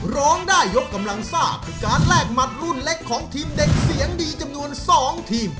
ร้องได้ยกกำลังซ่าคือการแลกหมัดรุ่นเล็กของทีมเด็กเสียงดีจำนวน๒ทีม